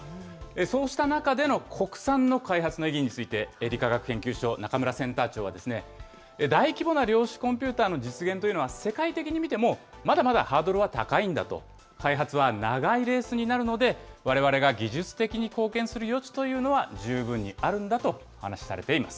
そうした中での国産の開発の意義について、理化学研究所、中村センター長は、大規模な量子コンピューターの実現というのは、世界的に見ても、まだまだハードルは高いんだと、開発は長いレースになるので、われわれが技術的に貢献する余地というのは十分にあるんだとお話しされています。